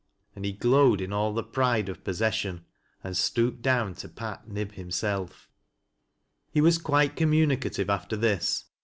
And he glowed in all the pride of possession, and stooped down to pat Mb himself. He was quite communicative after this.